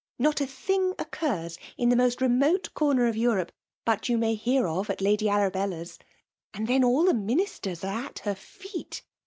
Not a thing oceurs in the most remote comer of Europe but you may hear of at Lady ArabcUa^s. — And then all the ministers are at her feet.